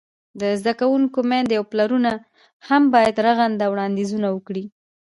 د زده کوونکو میندې او پلرونه هم باید رغنده وړاندیزونه وکړي.